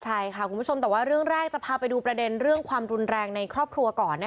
ใช่ค่ะคุณผู้ชมแต่ว่าเรื่องแรกจะพาไปดูประเด็นเรื่องความรุนแรงในครอบครัวก่อน